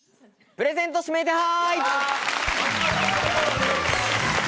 プレゼント指名手配！